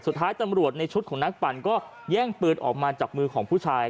สุดท้ายตำรวจในชุดของนักปั่นก็แย่งปืนออกมาจากมือของผู้ชาย